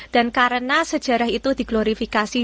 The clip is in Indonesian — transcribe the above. dan karena sejarah itu diglorifikasi